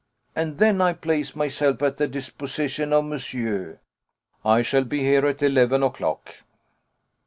and then I place myself at the disposition of monsieur." "I shall be here at eleven o'clock."